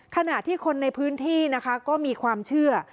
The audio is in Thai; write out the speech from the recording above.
ขณะที่คนในพื้นที่นะคะก็มีความเชื่อ